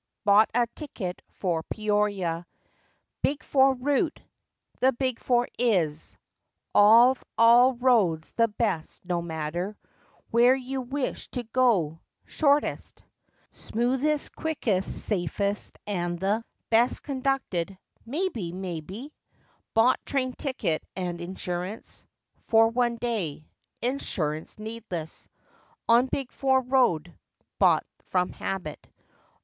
Bought a ticket for Peoria— "Big Four route." The "Big Four" is Of all roads the best, no matter Where you wish to go to; shortest, Smoothest, quickest, safest, and the o FACTS AND FANCIES. Best conducted—maybe ! maybe! Bought train ticket, and insurance For one day. Insurance needless On "Big Four" road. Bought from habit.